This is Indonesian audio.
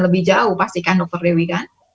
lebih jauh pasti kan dokter dewi kan